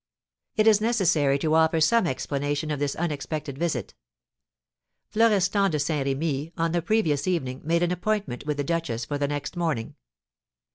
It is necessary to offer some explanation of this unexpected visit. Florestan de Saint Remy on the previous evening made an appointment with the duchess for the next morning.